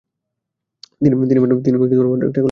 তিনি মাত্র একটি খেলায় অংশ নিয়েছিলেন।